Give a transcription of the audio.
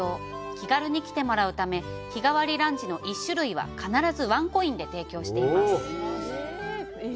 気軽に来てもらうため、日替わりランチの１種類は必ずワンコインで提供しています。